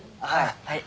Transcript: はい。